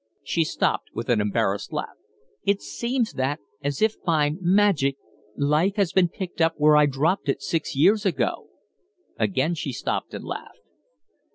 She stopped with an embarrassed laugh. "It seems that, as if by magic, life has been picked up where I dropped it six years ago." Again she stopped and laughed.